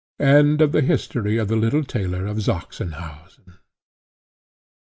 _End of the History of the Little Tailor of Sadisenhausen.